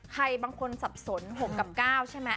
ใครบางคนสับสน๖กับ๙ใช่ไหม